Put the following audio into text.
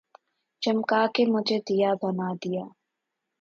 چمکا کے مجھے دیا بنا یا